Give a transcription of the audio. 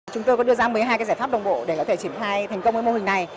chúng tôi có đưa ra một mươi hai giải pháp đồng bộ để triển khai thành công mô hình này